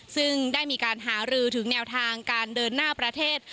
ซึ่งได้มีการหารือถึงแนวทางการเดินหน้าประเทศ